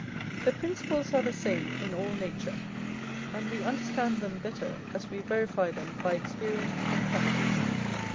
The principles are the same in all nature ; and we understand them better, as we verify them by experi ence and practice.